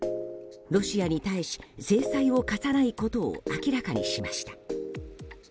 ロシアに対し制裁を科さないことを明らかにしました。